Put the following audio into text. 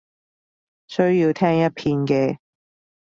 需要聽一遍嘅